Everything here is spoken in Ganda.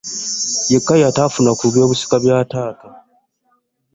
Yeka yataafuna ku byobusika bwa taata we.